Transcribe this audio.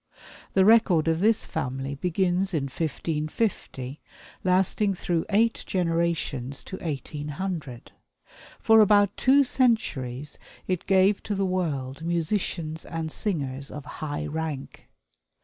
The record of this family begins in 1550, lasting through eight generations to 1800. For about two centuries it gave to the world musicians and singers of high rank.